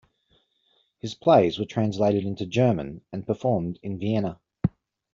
His plays were translated into German, and performed in Vienna.